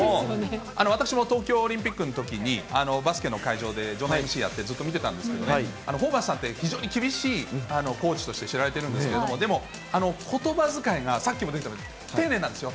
私も東京オリンピックのときに、バスケの会場で場内ＭＣやって、ずっと見てたんですけどね、ホーバスさんって、非常に厳しいコーチとして知られてるんですけども、でも、ことばづかいが、さっきも出てきたように、丁寧なんですよ。